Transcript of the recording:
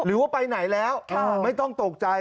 หรือว่าไปไหนแล้วไม่ต้องตกใจ